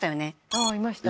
ああーいましたね